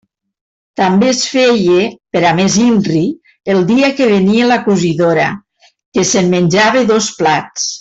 També es feia, per a més inri, el dia que venia la cosidora, que se'n menjava dos plats.